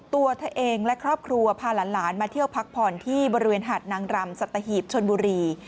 ตัวเธอเองและครอบครัวพาหลานมาเที่ยวพักผ่อนที่บริเวณหาดนางรำสัตหีบชนบุรี